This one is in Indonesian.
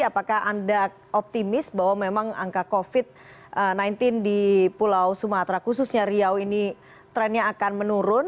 apakah anda optimis bahwa memang angka covid sembilan belas di pulau sumatera khususnya riau ini trennya akan menurun